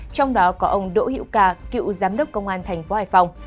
trong đó có ông đỗ hiệu ca cựu giám đốc công an tp hải phòng